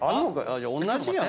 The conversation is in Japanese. じゃあ同じやん。